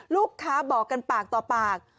ลูกค้าบอกกันปากต่อปาก